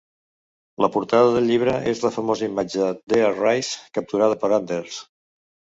La portada del llibre és la famosa imatge d'"Earthrise" capturada per Anders.